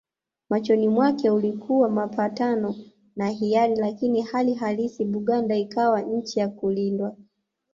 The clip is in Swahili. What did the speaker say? Machoni mwake ulikuwa mapatano ya hiari lakini hali halisi Buganda ikawa nchi ya kulindwa